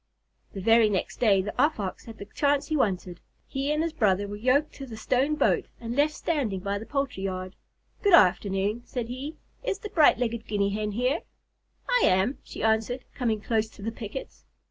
The very next day, the Off Ox had the chance he wanted. He and his brother were yoked to the stone boat and left standing by the poultry yard. "Good afternoon," said he. "Is the bright legged Guinea Hen here?" "I am," she answered, coming close to the pickets.